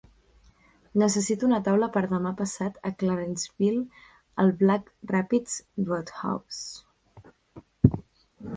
Necessito una taula per demà passat a Clarenceville al Black Rapids Roadhouse